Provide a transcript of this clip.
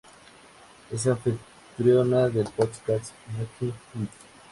Es anfitriona del podcast "Making It".